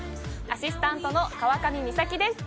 アシスタントの川上美咲です